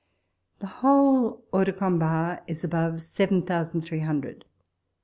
31 The whole hots Je combat is above seven thou sand three hundred.